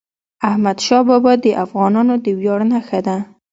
احمدشاه بابا د افغانانو د ویاړ نښه ده.